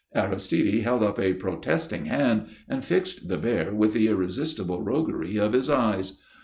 Aristide held up a protesting hand, and fixed the bear with the irresistible roguery of his eyes.